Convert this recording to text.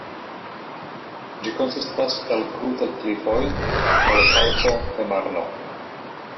Ĝi konsistas el krutaj klifoj el kalko kaj marno.